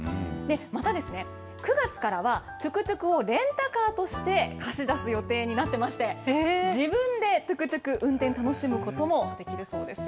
またですね、９月からはトゥクトゥクをレンタカーとして貸し出す予定になっていまして、自分でトゥクトゥク、運転楽しむこともできるそうですよ。